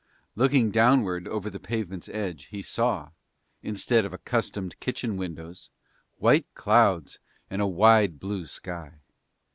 Looking downward over the pavement's edge he saw, instead of accustomed kitchen windows, white clouds and a wide, blue sky.